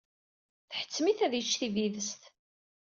Tḥettem-it ad yecc tibidest.